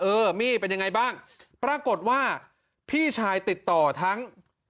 เออมี่เป็นยังไงบ้างปรากฏว่าพี่ชายติดต่อทั้ง